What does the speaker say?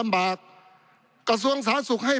ปี๑เกณฑ์ทหารแสน๒